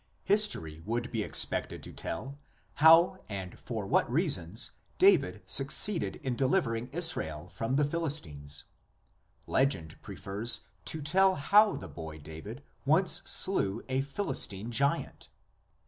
History would be expected to tell how and for what reasons David succeeded in delivering Israel from the Philistines; legend prefers to tell how the boy David once slew a Philistine giant.